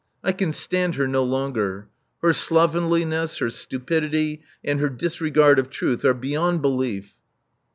I can stand her no longer. Her sl;)venlincss, her stupidity, and her disregard of truth are beyond belief.